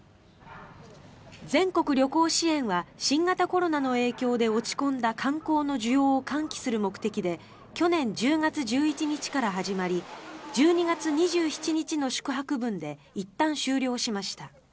全国旅行支援は新型コロナの影響で落ち込んだ観光の需要を喚起する目的で去年１０月１１日から始まり１２月２７日の宿泊分でいったん終了しました。